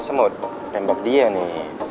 saya mau tembak dia nih